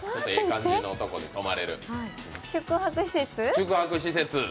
宿泊施設？